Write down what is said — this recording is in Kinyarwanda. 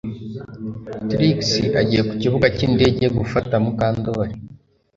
Trix agiye ku kibuga cyindege gufata Mukandoli